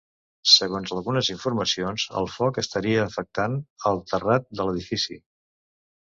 Segons algunes informacions, el foc estaria afectant el terrat de l’edifici.